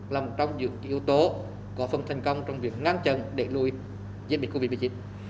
là một trong những yếu tố có phương thành công trong việc ngang chân để lùi dân bị covid một mươi chín